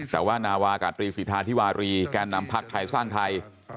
แต่ว่านาวากาตรีสิทธาธิวารีแก่นำพักไทยสร้างไทย